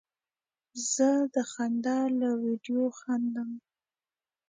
زه د خندا له ویډیو خندم.